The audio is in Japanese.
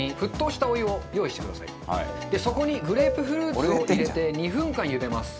そこにグレープフルーツを入れて２分間茹でます。